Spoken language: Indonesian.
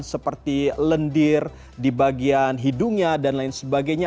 seperti lendir di bagian hidungnya dan lain sebagainya